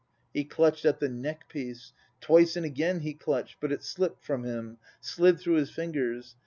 He clutched at the neck piece, Twice and again he clutched, but it slipped from him, slid through his fingers.